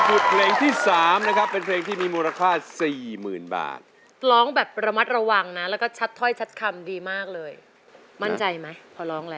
เพลงที่๓เป็นเพลงที่มีมูลค่า๔๐๐๐๐บ้า